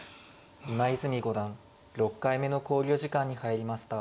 今泉五段６回目の考慮時間に入りました。